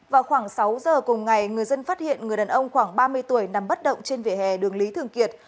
vào khoảng sáu giờ cùng ngày người dân phát hiện người đàn ông khoảng ba mươi tuổi nằm bất động trên vỉa hè đường lý thường kiệt